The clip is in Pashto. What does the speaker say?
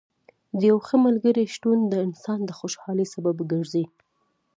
د یو ښه ملګري شتون د انسان د خوشحالۍ سبب ګرځي.